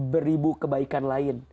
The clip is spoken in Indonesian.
beribu kebaikan lain